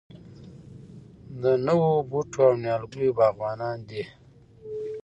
د نوو بوټو او نیالګیو باغوانان دي.